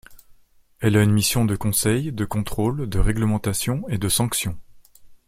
Elle a une mission de conseil, de contrôle, de réglementation et de sanction.